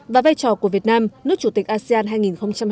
và vai trò của việt nam nước chủ tịch asean hai nghìn hai mươi